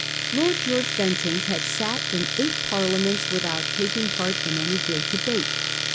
Lord George Bentinck had sat in eight Parliaments without, taking part in any great debate.